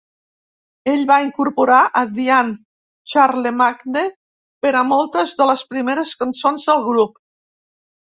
Ell va incorporar a Diane Charlemagne per a moltes de les primeres cançons del grup.